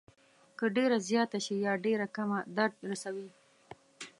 که ډېره زیاته شي یا ډېره کمه درد رسوي.